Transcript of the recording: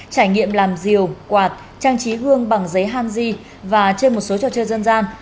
trải nghiệm làm diều quạt trang trí gương bằng giấy hanji và chơi một số trò chơi dân gian